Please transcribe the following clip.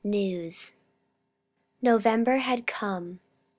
NEWS. November had come.